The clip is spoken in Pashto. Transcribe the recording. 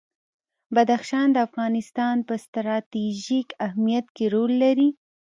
بدخشان د افغانستان په ستراتیژیک اهمیت کې رول لري.